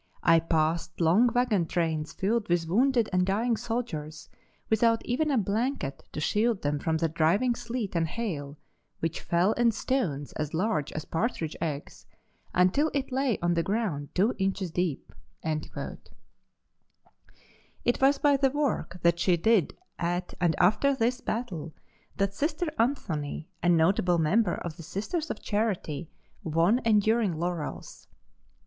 I passed long wagon trains filled with wounded and dying soldiers without even a blanket to shield them from the driving sleet and hail which fell in stones as large as partridge eggs until it lay on the ground two inches deep." It was by the work that she did at and after this battle that Sister Anthony, a notable member of the Sisters of Charity, won enduring laurels.